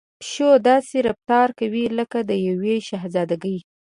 پيشو داسې رفتار کوي لکه د يوې شهزادګۍ.